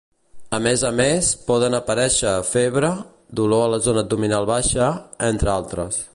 A més a més, poden aparèixer febre, dolor a zona abdominal baixa, entre altres.